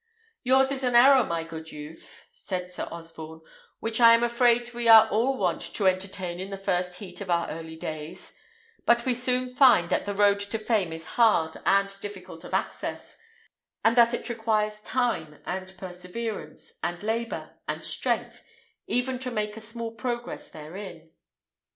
"Yours is an error, my good youth," said Sir Osborne, "which I am afraid we are all wont to entertain in the first heat of our early days; but we soon find that the road to fame is hard and difficult of access, and that it requires time, and perseverance, and labour, and strength, even to make a small progress therein.